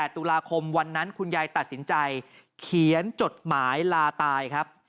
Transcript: ตุลาคมวันนั้นคุณยายตัดสินใจเขียนจดหมายลาตายครับ